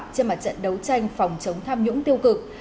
trên mặt trận đấu tranh phòng chống tham nhũng tiêu cực